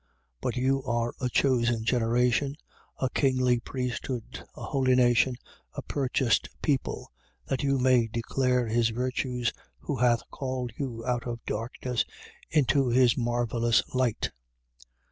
2:9. But you are a chosen generation, a kingly priesthood, a holy nation, a purchased people: that you may declare his virtues, who hath called you out of darkness into his marvelous light: 2:10.